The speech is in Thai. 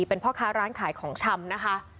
เป็นพ่อค้าร้านขายของชำนะคะ